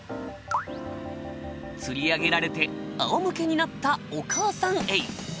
釣り上げられて仰向けになったお母さんエイ。